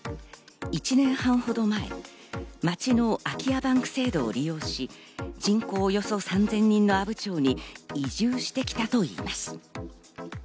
１年半ほど前、町の空き家バンク制度を利用し、人口およそ３０００人の阿武町に移住してきたといいます。